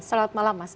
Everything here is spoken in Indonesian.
selamat malam mas